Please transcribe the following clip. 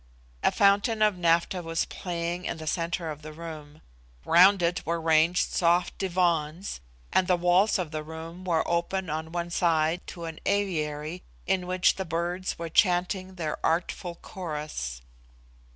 A fountain of naphtha was playing in the centre of the room; round it were ranged soft divans, and the walls of the room were open on one side to an aviary in which the birds were chanting their artful chorus.